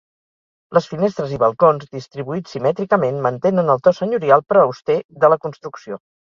Les finestres i balcons, distribuïts simètricament, mantenen el to senyorial però auster de la construcció.